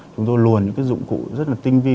chúng tôi luồn những cái dụng cụ rất là tinh vi